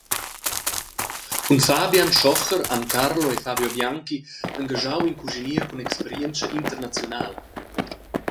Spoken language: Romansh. Cun Fabian Schocher han Carlo e Fabio Bianchi engaschau in cuschinier cun experientscha internaziunala.